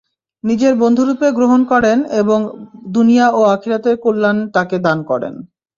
নিজের বন্ধুরূপে গ্রহণ করেন এবং দুনিয়া ও আখিরাতের কল্যাণ তাঁকে দান করেন।